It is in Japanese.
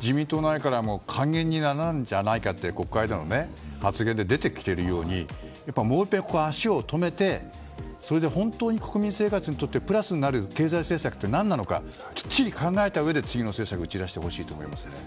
自民党内からでも還元にならないんじゃないかという発言が出てきているようにやっぱりもういっぺん足を止めてそれで本当に国民生活にとってプラスになる経済政策が何なのかきっちり考えたうえで次の政策を打ち出してほしいです。